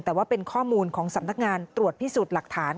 แต่ว่าเป็นข้อมูลของสำนักงานตรวจพิสูจน์หลักฐาน